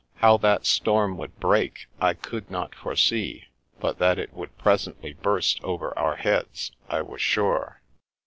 How that storm would break I could not foresee, but that it would presently burst above our heads I was sure.